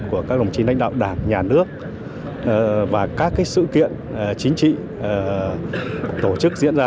của các đồng chí lãnh đạo đảng nhà nước và các sự kiện chính trị tổ chức diễn ra